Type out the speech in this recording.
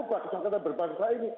kepakatan berbangsa ini